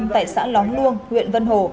tại xã lóng luông huyện vân hồ